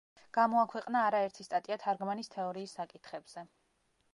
გამოაქვეყნა არა ერთი სტატია თარგმანის თეორიის საკითხებზე.